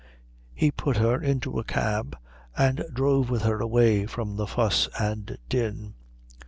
He put her into a cab and drove with her away from the fuss and din.